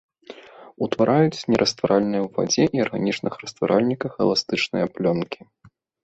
Утвараюць нерастваральныя ў вадзе і арганічных растваральніках эластычныя плёнкі.